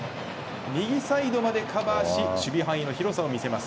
右サイドまでカバーし守備範囲の広さを見せます。